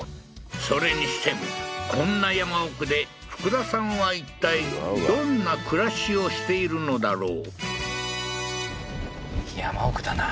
それにしてもこんな山奥で福田さんはいったいどんな暮らしをしているのだろう？